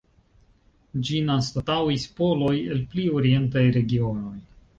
Ĝin anstataŭis poloj el pli orientaj regionoj.